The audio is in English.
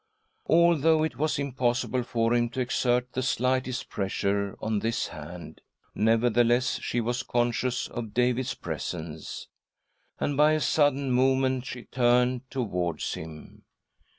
Although it was impossible for him to exert the slightest pressure on this hand, yet, nevertheless, she was conscious of David's presence ; and, by a sudden movement, she turned towards him.